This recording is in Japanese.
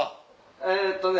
えっとね